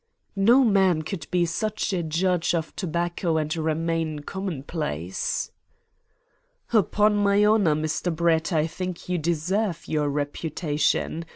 "No man could be such a judge of tobacco and remain commonplace." "'Pon my honour, Mr. Brett, I think you deserve your reputation.